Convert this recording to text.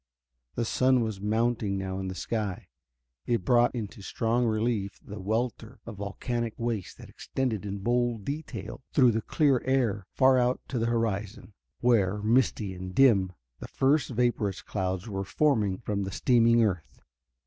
The sun was mounting now in the sky. It brought into strong relief the welter of volcanic waste that extended in bold detail through the clear air far out to the horizon, where, misty and dim, the first vaporous clouds were forming from the steaming earth.